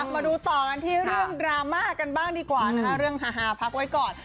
มาดูต่อกันที่เรื่องดราม่ากันบ้างดีกว่านะคะเรื่องฮาพักไว้ก่อน